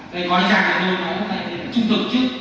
đây có cái giá này tôi nói là trung thực chứ